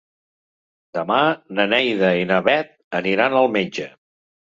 Demà na Neida i na Bet aniran al metge.